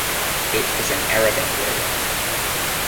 It is an Arabic word.